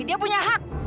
dia punya hak